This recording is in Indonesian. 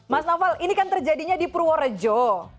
mas naufal ini kan terjadinya di purworejo